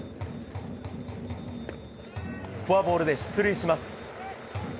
フォアボールで出塁します。